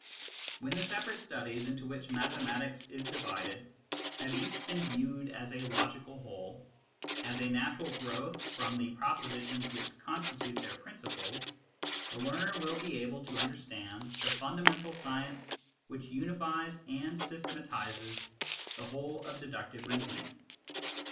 When the separate studies into which mathematics is divided have each been viewed as a logical whole, as a natural growth from the propositions which constitute their principles, the learner will be able to understand the fundamental science which unifies and systematises the whole of deductive reasoning.